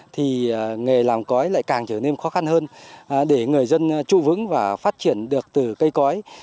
thì nghề làm cõi lại càng trở nên khó khăn hơn để người dân trụ vững và phát triển được từ cây cõi